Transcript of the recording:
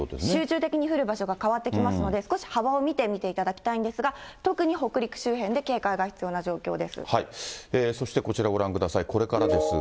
集中的に降る場所が変わってきますので、少し幅を見てみていただきたいんですが、特に北陸周辺で警戒が必そして、こちらご覧ください。